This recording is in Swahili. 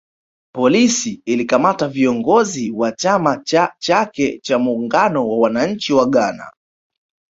Polisi ilikamata viongozi wa chama cha chake cha muungano wa wananchi wa Ghana